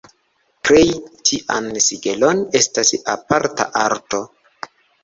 Krei tian sigelon estas aparta arto.